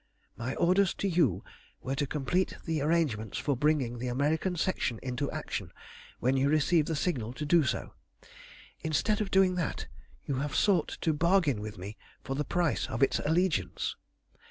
My orders to you were to complete the arrangements for bringing the American Section into action when you received the signal to do so. Instead of doing that, you have sought to bargain with me for the price of its allegiance.